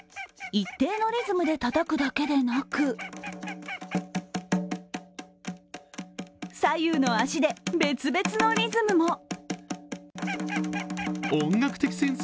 一定のリズムでたたくだけでなく左右の足で別々のリズムも。